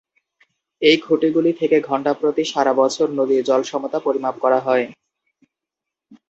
এই খুঁটিগুলি থেকে ঘন্টাপ্রতি সারা বছর নদীর জল সমতা পরিমাপ করা হয়।